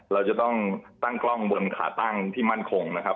เราจะต้องตั้งกล้องบนขาตั้งที่มั่นคงนะครับ